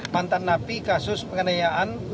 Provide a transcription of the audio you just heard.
mantan napi kasus pengenayaan